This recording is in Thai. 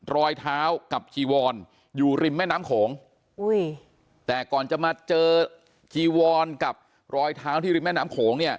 รอยเท้ากับจีวอนอยู่ริมแม่น้ำโขงอุ้ยแต่ก่อนจะมาเจอจีวอนกับรอยเท้าที่ริมแม่น้ำโขงเนี่ย